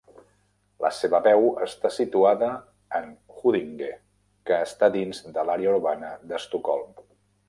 La seva seu està situada en Huddinge, que està dins de l'àrea urbana d'Estocolm.